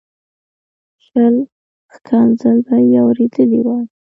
شل ښکنځل به یې اورېدلي وای.